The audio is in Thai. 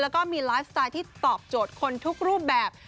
แล้วก็มีไลฟ์สไตล์ที่ตอบโจทย์คนทุกรูปแบบ